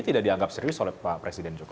tidak dianggap serius oleh pak presiden jokowi